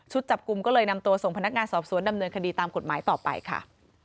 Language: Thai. จับกลุ่มก็เลยนำตัวส่งพนักงานสอบสวนดำเนินคดีตามกฎหมายต่อไปค่ะ